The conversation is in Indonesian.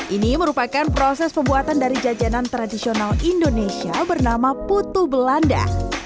ini merupakan proses pembuatan dari jajanan tradisional indonesia bernama putu belanda